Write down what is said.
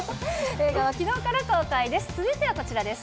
映画はきのうから公開です。